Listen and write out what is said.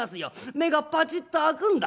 目がパチッと開くんだ。